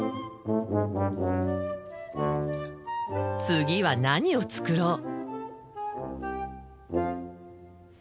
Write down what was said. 次は何を作ろう？